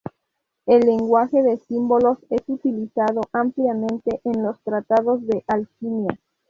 El lenguaje de símbolos es utilizado ampliamente en los tratados de alquimia.